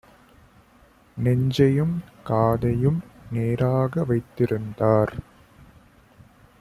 நெஞ்சையும் காதையும் நேராக வைத்திருந்தார்: